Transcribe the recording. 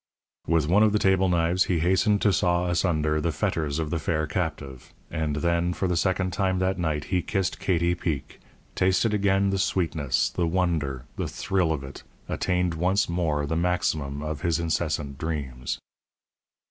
With one of the table knives he hastened to saw asunder the fetters of the fair captive; and then, for the second time that night he kissed Katie Peek tasted again the sweetness, the wonder, the thrill of it, attained once more the maximum of his incessant dreams.